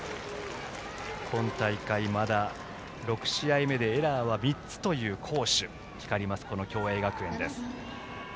今大会、まだ６試合目でエラーは３つという好守が光ります共栄学園です。